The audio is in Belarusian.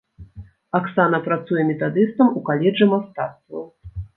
Аксана працуе метадыстам у каледжы мастацтваў.